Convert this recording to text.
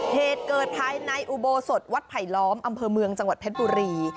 เหตุเกิดภายในอุโบสถวัดไผลล้อมอำเภอเมืองจังหวัดเพชรบุรี